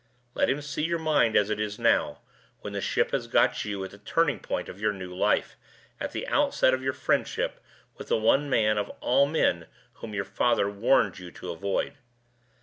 Let him see your mind as it is now, when the ship has got you at the turning point of your new life, at the outset of your friendship with the one man of all men whom your father warned you to avoid.